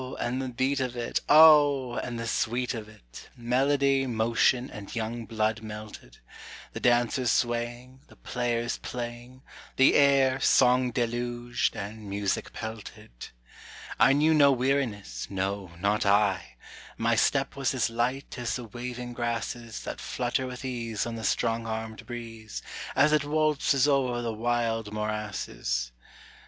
and the beat of it, oh! and the sweet of it Melody, motion, and young blood melted; The dancers swaying, the players playing, The air song deluged and music pelted. I knew no weariness, no, not I My step was as light as the waving grasses That flutter with ease on the strong armed breeze, As it waltzes over the wild morasses.